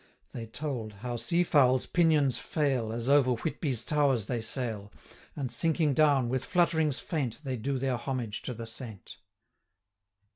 They told, how sea fowls' pinions fail, 250 As over Whitby's towers they sail, And, sinking down, with flutterings faint, They do their homage to the saint.